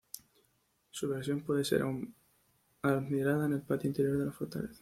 Su versión puede ser aún admirada en el patio interior de la fortaleza.